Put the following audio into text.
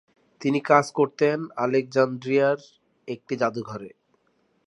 তিনি কাজ করতেন আলেকজান্দ্রিয়ার একটি জাদুঘরে।